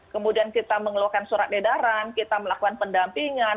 kemudian kita mengeluarkan surat edaran kita melakukan pendampingan